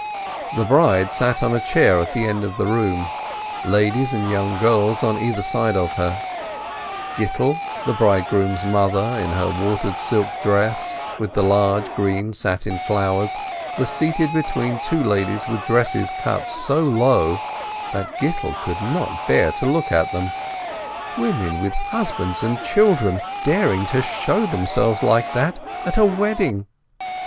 The bride sat on a chair at the end of the room, ladies and young girls on either side of her ; Gittel, the bride groom's mother in her watered silk dress, with the large green satin flowers, was seated between two ladies with dresses cut so low that Gittel could not bear to look at them — women with husbands and children daring to show themselves like that at a wedding!